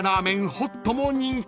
ホットも人気］